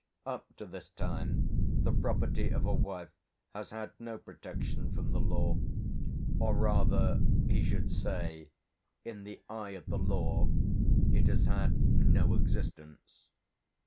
Up to this time the property of a wife has had no protection from the law, or rather, he should say, in the eye of the law it has had no existence.